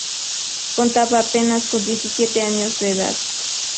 Contaba apenas con diecisiete años de edad.